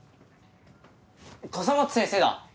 笠松先生だ。